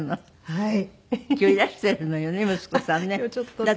はい。